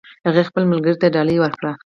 هغې خپل ملګري ته ډالۍ ورکړه